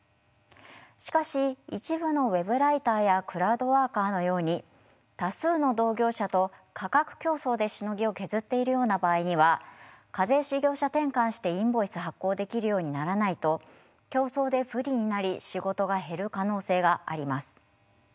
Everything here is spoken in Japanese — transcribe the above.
しかし一部のＷｅｂライターやクラウドワーカーのように多数の同業者と価格競争でしのぎを削っているような場合には課税事業者転換してインボイス発行できるようにならないと競争で不利になり仕事が減る可能性があります。